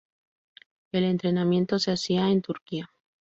El entrenamiento se hacía en Turquía.